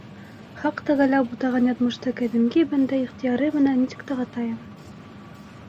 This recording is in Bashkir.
Хаҡ тәғәлә бутаған яҙмышты ҡәҙимге бәндә ихтыяры менән нисек тағатайым?!.